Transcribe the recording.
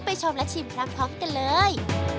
ไปชมแล้วชิมพร้อมของกันเลย